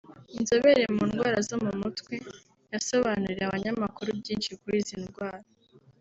inzobere mu ndwara zo mu mutwe yasobanuriye abanyamakuru byinshi kuri izi ndwara